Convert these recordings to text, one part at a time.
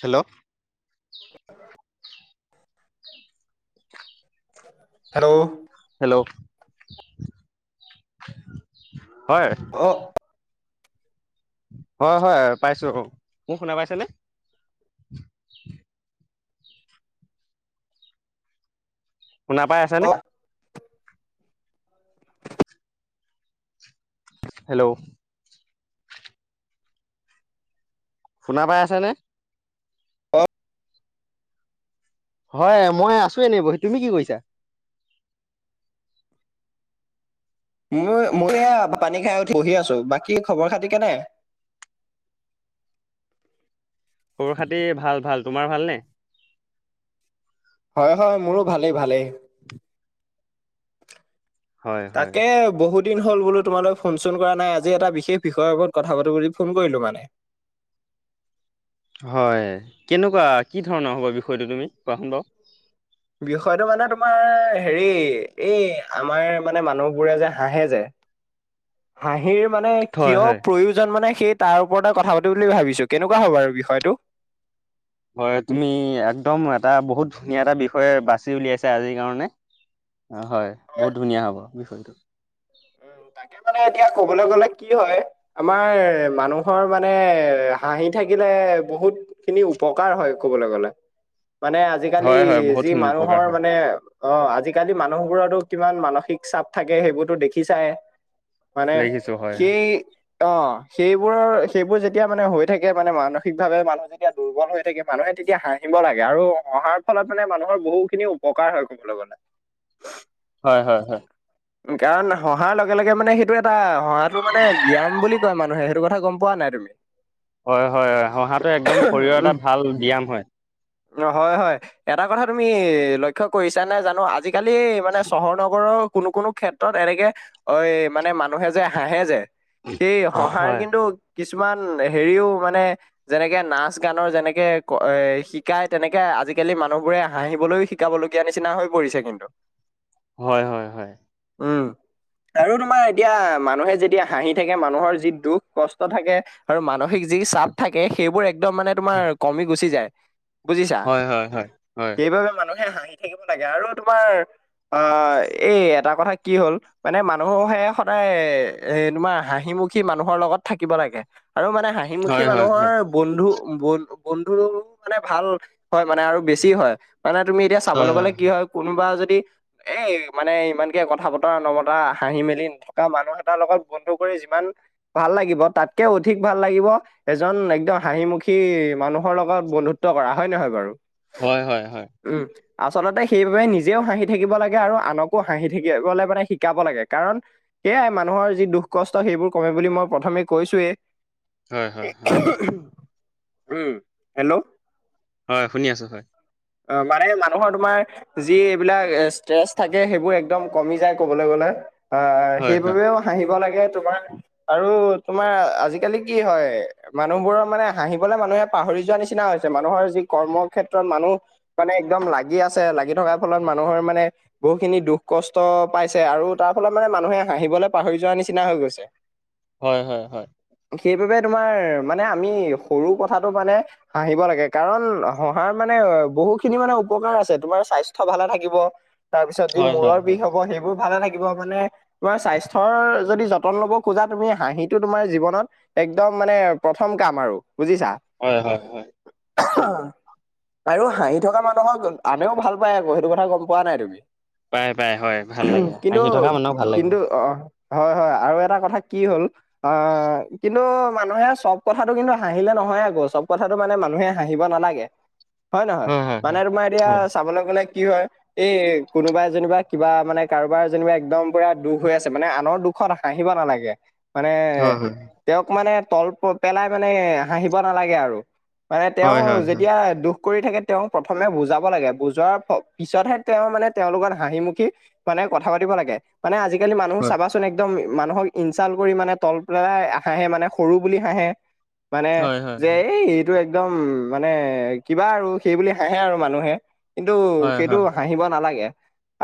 Hello [unintelligible] hello hello হয় অ হয় হয় পাইছো মোক শুনা পাইছেনে শুনা পাই আছেনে? অ হেল্ল' শুনা পাই আছে নে? অ হয় মই আছো এনে বহি তুমি কি কৰিছা? মই মই এয়া পানী খাই উঠি বহি আছো বাকী খবৰ খাতি কেনে [unintelligible] খবৰ খাতি ভাল ভাল তোমাৰ ভালনে? হয় হয় মোৰো ভালেই ভালেই হয় হয় তাকে বহুত বহু দিন হ'ল বোলো তোমালৈ ফোন চোন কৰা নাই আজি এটা বিশেষ বিষয়ৰ ওপৰত কথা পাতো বুলি ফোন কৰিলো মানে [unintelligible] হয় কেনেকুৱা কি ধৰণৰ হ'ব বিষয়টো তুমি কোৱাচোন বাও বিষয়টো মানে তোমাৰ হেৰি এই আমাৰ মানে মানুহবোৰে যে হাঁহে যে [unintelligible] হাঁহিৰ মানে হয় কিয় হয় প্ৰয়োজন মানে সেই তাৰ ওপৰতে কথা পাতি বুলি ভাবিছো কেনেকুৱা হ'ব আৰু বিষয়টো হয় তুমি একদম এটা বহুত ধুনীয়া এটা বিষয়ে বাছি উলিয়াইছা আজিৰ কাৰণে অহ হয় বহুত ধুনীয়া হ'ব বিষয়টো উম তাকে মানে এতিয়া কবলৈ গ'লে কি হয় আমাৰ মানুহৰ মানে হাঁহি থাকিলে বহুত খিনি উপকাৰ হয় ক'বলৈ গলে [unintelligible] মানে আজিকালি হয় হয় যি বহুতখিনি উপকাৰ মানুহৰ হয় মানে অহ আজিকালি মানুহবোৰতো কিমান মানসিক চাপ থাকে সেইবোৰতো দেখি চায় হয় নে দেখিছো হয় হয় সেই অহ সেইবোৰৰ সেইবোৰ যেতিয়া মানে হৈ থাকে মানে মানসিক ভাৱে মানুহ যেতিয়া দুৰ্বল হৈ থাকে মানুহে তেতিয়া হাঁহিব লাগে আৰু হাঁহৰ ফলত মানে মানুহৰ বহু খিনি উপকাৰ হয় কবলৈ গ'লে হয় হয় হয় কাৰণ অহাৰ লগে লগে মানে সেইটো এটা হাহঁতো মানে ব্যায়াম বুলি কয় মানুহে সেইটো কথা গম পোৱা নাই তুমি হয় হয় হয় হাহঁতো একদম শৰীৰৰ এটা ভাল ব্যায়াম হয় অহ হয় হয় এটা কথা তুমি লক্ষ্য কৰিছা নাই জানো আজি- কালি মানে চহৰ নগৰৰ- কোনো কোনো ক্ষেত্ৰত এনেকে অহ মানে মানুহে যে হাঁহে যে সেই হাঁহৰ হয় কিন্তু কিছুমান হেৰিও মানে যেনেকে নাচ গানৰ যেনেকে এ শিকাই তেনেকে আজি আজিকালি মানুহবোৰে হাঁহিবলৈও শিকাবলগীয়া নিচিনা হৈ পৰিছে কিন্তু হয় হয় হয়। উম আৰু তোমাৰ এতিয়া মানুহে যেতিয়া হাঁহি থাকে মানুহৰ যি দুখ কষ্ট থাকে আৰু মানসিক যি যি চাপ থাকে সেইবোৰ একদম মানে তোমাৰ কমি গুচি যায়। বুজিছা, হয় হয় হয় হয় সেইবাবে মানুহে হাঁহি - হাহিঁৰ থাকিব লাগে আৰু তোমাৰ অঁহ এই এটা কথা কি হ'ল মানে মানুহহে সদায় এ তোমাৰ হাঁহিমুখী মানুহৰ লগত কত থাকিব লগত থাকিব লাগে আৰু মানে হাঁহিমুখি হয় হয় হয় মানুহৰ বন্ধু- ব বন্ধু মানে ভাল হয় মানে আৰু বেছি হয়। মানে তুমি এতিয়া হয় চাবলৈ গলে কি হয়, কোনোবা যদি এ মানে ইমানকে কথা বতৰা নমতা, হাঁহি মেলি নথকা মানুহ এটাৰ লগত বন্ধু কৰি যিমান ভাল- ভাল লাগিব তাতকেও অধিক ভাল লাগিব এজন একদম হাঁহিমুখী মানুহৰ লগত বন্ধুত্ব কৰা। হয় নহয় বাৰু? হয়, হয়, হয়। উম, আচলতে সেইবাবে নিজেও হাঁহি থাকিব লাগে আৰু আনক- আকৌ হাঁহি থাকিবলৈ মানে শিকাব লাগে কাৰণ, সেয়াই মানুহৰ যি দুখ কষ্ট সেইবোৰ কমে বুলি মই প্ৰথম আমি কৈছো এ হয় হয় হয় উম হেল্ল'- হয়, শুনি আছো হয়। অহ, মানে মানুহৰ তোমাৰ যি এইবিলাক ষ্ট্ৰেচ থাকে সেইবোৰ একদম কমি যায় কবলৈ গ'লে- অহ হয় হয় সেইবাবেও হাঁহিব লাগে। এ তোমাৰ আৰু তোমাৰ আজিকালি কি হয়? মানুহবোৰৰ মানে হাঁহিবলে মানুহে- পাহৰি যোৱাৰ নিচিনা হৈছে মানুহৰ যি কৰ্ম ক্ষেত্ৰত মানুহ- মানে একদম লাগি আছে লাগি থকাৰ ফলত মানুহৰ মানে বহুতখিনি দুখ কষ্ট পাইছে আৰু তাৰ ফলত মানে মানুহে হাঁহিবলৈ পাহৰি যোৱাৰ নিচিনা হৈ গৈছে। হয়, হয়, হয়। সেইবাবে তোমাৰ মানে আমি সৰু কথাটো মানে হাঁহিব লাগে কাৰণ হাঁহৰ মানে- বহুখিনি মানে উপকাৰ আছে তোমাৰ স্বাস্থ্যৰ ভালে থাকিব তাৰ পিছত যি হয় হয় মূৰৰ হয় বিষ হ'ব সেইবোৰ- ভালে থাকিব মানে তোমাৰ স্বাস্থ্যৰ যদি যতন ল'ব খোজা তুমি হাঁহিটো তোমাৰ জীৱনত- এক'দম মানে প্ৰথম কাম আৰু- বুজিছা! হয় হয় হয় হয় আৰু হাঁহি থকা মান- নহয় চোন আনেও ভাল পায় আকৌ সেইটো কথা গম পোৱা নাই তুমি। পাই পাই হয় ভাল উমহ লাগে কিন্তু, হাঁহি থকা মানুহক ভাল লাগে কিন্তু অহ হয় হয় আৰু এটা কথা কি হ'ল অ কিন্তু মানুহে চব কথাটো কিন্তু হাঁহিলে নহ- হয় আকৌ চব কথাটো মানে মানুহে হাঁহিব নালাগে। হয় নহয়? মানে তোমাৰ এতিয়া হয় চাবলে গ'লে কি হয় এই কোনোবাই যেনিবা কিবা মানে কাৰোবাৰ যেনিবা একদম পুৰা দুখ হৈ আছে মানে আনৰ দুখ- হাঁহিব নালাগে। মানে হয় তেওঁক মানে তল প পেলাই মানে হাঁহিব নালাগে আৰু। মানে তেওঁ হয় হয় হয় হয় যেতিয়া দুখ কৰি থাকে তেওঁ প্ৰথমে বুজাব লাগে বুজোৱাৰ প পিছতহে তেওঁ মানে তেওঁ লগত হাঁহিমুখি মানে কথা পাতিব লাগে মানে আজিকালি মানুহ চাবাচোন একদম মানুহক ইনচাল কৰি মানে তল পেলাই হাঁহে মানে সৰু বুলি হাঁহে মানে হয় হয় যে হয় এই এইটো একদম মানে কিবা আৰু সেই বুলি হাঁহে আৰু মানুহে কিন্তু হয় সেইটো হয় হাঁহিব নালাগে।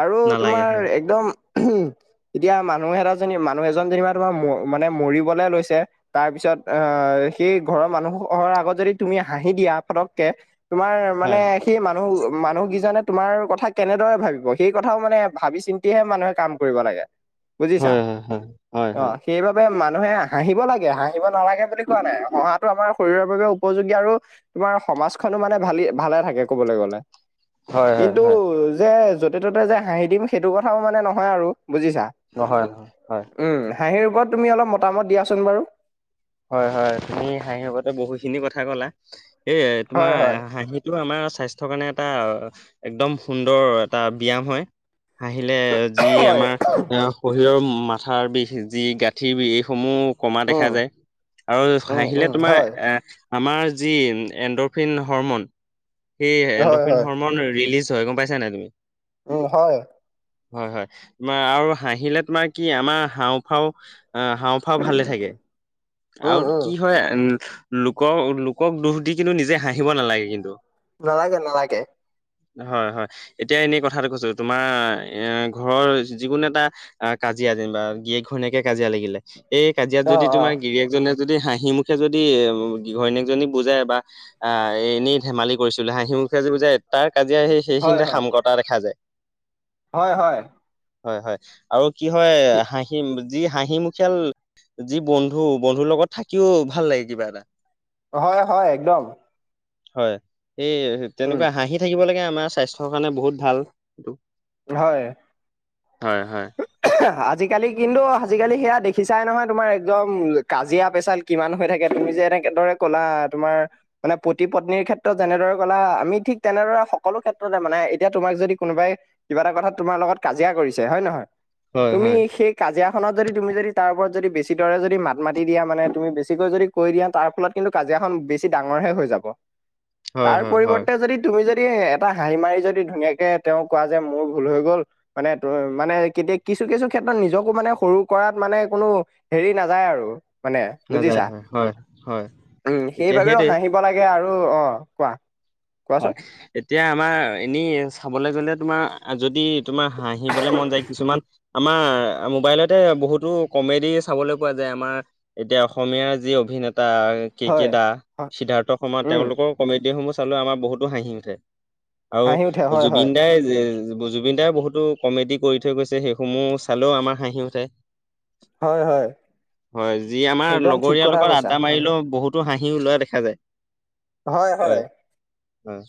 আৰু নালাগে তোমাৰ হয় একদম উমহ, এতিয়া মানুহ এটা যেনি মানুহ এজন যেনিবা তোমাৰ মানে ম মৰিবলে লৈছে তাৰ পিছত আহ সেই ঘৰৰ মানুহ ঘৰ আগত যদি তুমি হাঁহি দিয়া পতককে তোমাৰ মানে নালাগে সেই মানুহ মানুহ কিজনে তোমাৰ কথা কেনেদৰে ভাবিব সেই কথাও মানে ভাবি চিন্তিহে মানুহে কাম কৰিব লাগে বুজিছা হয় হয় হয় হয় অ হয় হয় সেইবাবে মান মানুহে হাঁহিব লাগে হাঁহিব নালাগে বুলি কোৱা নাই হঁহাটো আমাৰ শৰীৰৰ বাবে উপযোগী আৰু তোমাৰ সমাজ খনো মানে ভালি ভালে থাকে ক'বলে গ'লে। হয় হয় হয় কিন্তু হয় যে য'তে ততে যে হাঁহি দিম সেইটো কথাও মানে নহয় আৰু বুজিছা নহয় হয় উম হাঁহিৰ ওপৰত তুমি অলপ মতামত দিয়াচোন বাৰু হয় হয় তুমি হাঁহিৰ সৈতে বহুখিনি কথা ক'লা এই হয় তোমাৰ হয় হাঁহিটো আমাৰ স্বাস্থ্যৰ কাৰণে এটা একদম সুন্দৰ এটা ব্যায়াম হয়। হাহিলে যি হয় আমাৰ এ শৰীৰৰ মাথাৰ বিষ যি গাঁঠিৰ বিষ এইসমূহ কমা উম দেখা যায় আৰু উম হাঁহিলে উম তোমাৰ হয় এ আমাৰ যি এণ্ড'ফিন হ'ৰমন সেই হয় এণ্ডফিন হয় হ'ৰমন ৰিলিজ হয় গম পাইছা নাই তুমি উম হয় হয় হয় তোমাৰ আৰু হাঁহিলে তোমাৰ কি আমাৰ হাওঁফাওঁ আ হাওঁফাও ভালে থাকে উম আৰু উম কি হয় উম লোকক লোকক দুখ দি কিন্তু নিজে হাঁহিব নেলাগে কিন্তু নালাগে নালাগে হয় হয় এতিয়া এনেই কথাটো কৈছোঁ তোমাৰ এ ঘৰৰ যিকোনো এটা আ কাজিয়াত যেনিবা গিৰিয়েক ঘৈণীয়েকে কাজিয়া লাগিলে এই কাজিয়াত অ যদি অ তোমাৰ গিৰিয়েকজনে যদি হাঁহি মুখে যদি ঘৈণীয়েকজনী বুজাই বা আ এনেই ধেমালি কৰিছিলোঁ হা মুখে যদি বুজাই তাৰ কাজিয়া সেই হয় সেইখিনিতে হয় সামকতা দেখা যায় হয় হয় হয় হয় আৰু কি হয় কি হাঁহি যি হাঁহি মুখীয়াল যি বন্ধু বন্ধুৰ লগত থাকিও ভাল লাগে কিবা এটা হয় হয় একদম হয় এই উম তেনেকুৱা হাঁহি থাকিব লাগে আমাৰ স্বাস্থ্যৰ কাৰণে বহুত ভাল এইটো। হয়। হয় হয়। উমহ, আজিকালি কিন্তু আজিকালি সেইয়াত দেখিছাই নহয় তোমাৰ একদম কাজিয়া পেচাল কিমান হৈ থাকে তুমি যে এনেকেদৰে ক'লা তোমাৰ মানে পতি পত্নীৰ ক্ষেত্ৰত যেনেদৰে ক'লা আমি ঠিক তেনেদৰে সকলো ক্ষেত্ৰতে মানে এতিয়া তোমাক যদি কোনোবাই কিবা এটা কথা তোমাৰ লগত কাজিয়া কৰিছে হয় নহয় হয় তুমি হয় সেই কাজিয়াখনত যদি তুমি যদি তাৰ ওপৰত যদি বেছি দৰে যদি মাত মাতি দিয়া মানে তুমি বেছিকৈ যদি কৈ দিয়া তাৰ ফলত কিন্তু কাজিয়াখন বেছি ডাঙৰহে হৈ যা যাব। হয় তাৰ হয় হয় পৰিৱৰ্তে যদি তুমি যদি এটা হাঁহি মাৰি যদি ধুনীয়াকে তেওঁক কোৱা যে মোৰ ভুল হৈ গ'ল মানে ত মানে কেতি হেৰি নাযায় আৰু মানে নাযায় বুজিছা হয় হয় হয় উম এতিয়া সেইবাবেও সেইটোৱে। হাঁহিব লাগে আৰু অ অ কোৱা হয় কোৱাচোন এতিয়া আমাৰ এনে চাবলৈ গ'লে তোমাৰ যদি তোমাৰ হাঁহিবলে মন যায় কিছুমান আমাৰ মোবাইলতে বহুতো কমেডি চাবলৈ পোৱা যায় আমাৰ এতিয়া অসমীয়াৰ যি অভিনেতা এ কে কে হয় দা হয় সিদ্ধাৰ্থ শৰ্মা উম তেওঁলোকৰ কমেডি সমূহ চালে আমাৰ বহুতো হাঁহি উঠে আৰু হাঁহি উঠে হয় হয় জুবিন দাই জুবিনদাই বহুতো কমেডি কৰি থৈ গৈছে সেইসমূহ চালেও আমাৰ হাঁহি উঠে হয় হয় হয় যি আমাৰ একদম ঠিক লগৰীয়াৰ কথা লগত কৈছা আ্দা উম, মাৰিলেও বহুত টো হাঁহি ওলোৱা দেখা যায় হয় হয় হয়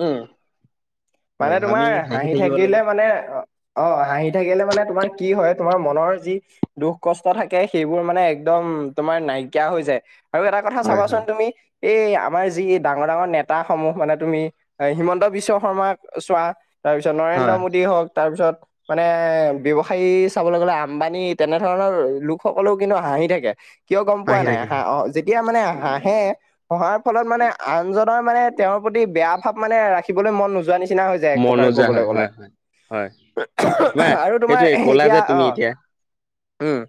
উম। মানে হয় তোমাৰ আমি হাঁহি থাকিব থাকিলে লাগে মানে অ অ হাঁহি থাকিলে মানে তোমাৰ কি হয় তোমাৰ মনৰ যি দুখ কষ্ট থাকে সেইবোৰ মানে একদম তোমাৰ নাইকিয়া হৈ যায়। আৰু এটা কথা হয় হয় চাবাচোন তুমি? এই আমাৰ যি ডাঙৰ ডাঙৰ নেতা সমূহ মানে তুমি হিমন্ত বিশ্ব শৰ্মাক চোৱা তাৰ পিছত নৰেন্দ্ৰ হয় মোডী হওক তাৰ পিছত মানে ব্যৱসায়ী চাবলে গ'লে আম্বানি। তেনেধৰণৰ লোকসকলেও কিন্তু হাঁহি থাকে। কিয় গম পোৱা হাঁহি নাই? থাকে হা হয় অ যেতিয়া মানে হাঁহে হঁহাৰ ফলত মানে আনজনৰ মানে তেওঁৰ প্ৰতি বেয়া ভাৱ মানে ৰাখিবলৈ মন নোযোৱা নিচি নিচিনা হৈ যায় এক প্ৰকাৰ মনোজা কবলে হয় গ'লে। হয় হয় হয় তোমাৰ আৰু তোমাৰ সেইটোৱে ক'লা এতিয়া যে তুমি আহ এতিয়া উম।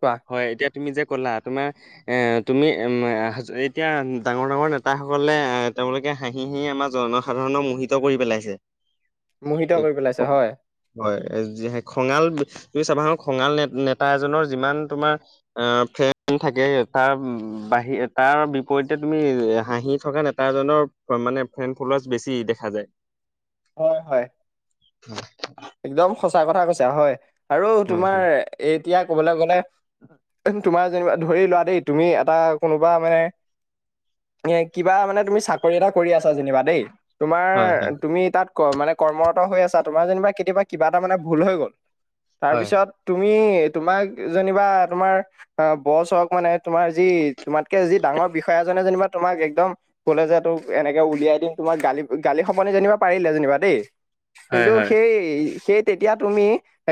কোৱা হয় এতিয়া তুমি যে ক'লা তোমাৰ এ তুমি এ ম এ এতিয়া ডাঙৰ ডাঙৰ নেতাসকলে এ তেওঁলোকে হাঁহি হাঁহি আমাৰ জনসাধাৰণক মোহিত কৰি পেলাইছে। মোহিত এই কৰি পেলাইছে হয় হয় য খঙাল তুমি চাবাসোন খঙাল নেত নেতা এজনৰ যিমান তোমাৰ আ ফ্ৰেণ্ড থাকে বাহিৰ তাৰ বিপৰীতে তুমি হাঁহি থকা নেতাজনৰ মানে ফ্ৰেণ্ড ফলৱাছ বেছি দেখা যায়। হয় হয়। [unintelligible] একদম সঁচা কথা কৈছা হয় আৰু হয় তোমাৰ এই এতিয়া কবলে গলে তোমাৰ যেনিবা ধৰি লোৱা দেই তুমি এটা কোনোবা মানে এ কিবা মানে তুমি চাকৰি এটা কৰি আছা যেনিবা দেই। তোমাৰ হয় হয় তুমি তাত ক মানে কৰ্মৰত হৈ আছা। তোমাৰ যেনিবা বা কিবা এটা মানে ভুল হৈ গ'ল। হয়। তাৰপিছত তুমি তুমি তোমাক যেনিবা তোমাৰ অ বছ হওক মানে তোমাৰ যি তোমাতকে যি ডাঙৰ বিষয়াজনে যেনিবা তোমাক একদম কলে যে তোক এনেকে উলিয়াই দিম তোমাক গালি গালি সপনি যেনিবা পাৰিলে যেনিবা দেই। হয় কিন্তু হয় সেই সেই তেতিয়া তুমি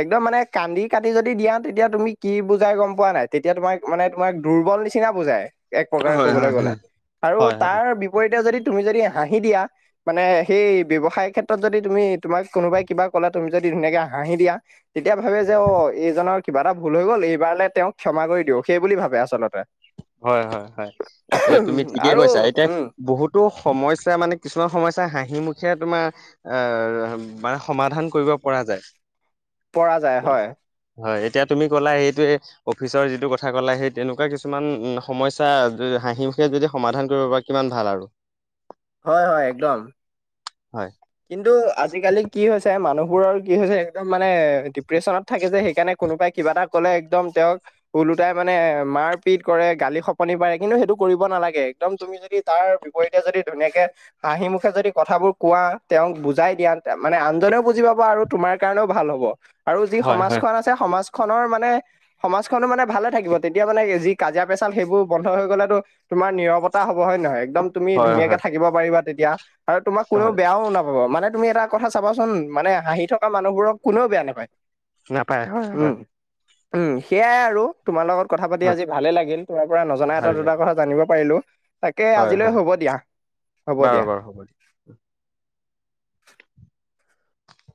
একদম মানে কান্দি কাটি যদি দিয়া তেতিয়া তুমি কি বুজাই গম পোৱা নাই তেতিয়া এতিয়া তোমাক মানে তোমাক দুৰ্বল নিচিনা বুজাই। এক প্ৰকাৰ হয় ক'বলে হয় গ'লে হয়। আৰু হয় হয় তাৰ বিপৰীতে যদি তুমি যদি হাঁহি দিয়া মানে সেই ব্যৱসায় ক্ষেত্ৰত যদি তুমি তোমাক কোনোবাই কিবা ক'লে তুমি যদি ধুনীয়াকে হাঁহি দিয়া তেতিয়া ভাবে যে অ এইজনৰ কিবা এটা ভুল হৈ গ'ল এইবাৰলে তেওঁ ক্ষ ক্ষমা কমা কৰি দিও। সেই বুলি ভাবে আচলতে। হয় হয় হয়। এয়া উম, তুমি ঠিকেই আৰু কৈছা। এতিয়া উম বহুতো সমস্যা মানে কিছুমান সমস্যা হাঁহিমুখেৰে তোমাৰ আহ মানে সমাধান কৰিব পৰা যায়। পৰা যায় হয়। হয় এতিয়া তুমি ক'লা এইটোৱে অফিচৰ যিটো কথা ক'লা সেই তেনেকুৱা কিছুমান উম। সমস্যা হাঁহিমুখে যদি সমাধান কৰিব পাৰা কিমান ভাল আৰু। হয় হয় একদম। হয়। কিন্তু আজিকালি কি হৈছে মানুহবোৰৰ কি হৈছে একদম মানে ডিপ্ৰেশচনত থাকে যে সেইকাৰণে কোনোবাই কিবা এটা ক'লে একদম তেওঁক ওলোটাই মানে মাৰ পিত কৰে, গালি খপনি পাৰে। কিন্তু সেইটো কৰিব নালাগে একদম তুমি যদি তাৰ বিপৰীতে যদি ধুনীয়াকে হাঁহিমুখে যদি কথাবোৰ কোৱা। তেওঁক বুজাই দিয়া মানে আনজনেও বুজি পাব আৰু তোমাৰ কাৰণেও ভাল হব। আৰু যি হয় হয় সমাজখন আছে সমাজ খনৰ মানে সমাজখনো মানে ভালে থাকিব। তেতিয়া মানে যি কাজিয়া পেচাল সেইবোৰ বন্ধ হৈ গলে তো তোমাৰ নিৰৱতা হ'ব হয়নে নহয়। একদম তুমি হয় ধুনীয়াকে হয় থাকিব পাৰিবা তেতিয়া আৰু তোমাক কোননেও হয় বেয়াও না। অ মানে তুমি এটা কথা চাবাচোন মানে হাঁহি থকা মানুহবোৰক কোনেও বেয়া নাপায়। নাপায় হয়, উম হয়, সেয়াই আৰু তোমাৰ লগত কথা পাতি হয় আজি ভালেই লাগিল তোমাৰ পৰা নজনা ভাল এটা দুটা লাগে কথা জানিব পাৰিলোঁ। তাকে হয় আজিলৈ হয় হ'ব দিয়া হ'ব বাৰু দিয়া। বাৰু হ'ব [inaudible]